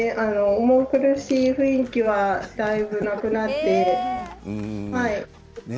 重苦しい雰囲気はだいぶなくなりました。